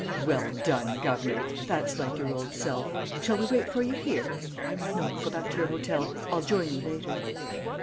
"Well done, governor! That's like your old self. Shall we wait for you here?" "No, go back to your hotel. I'll join you later."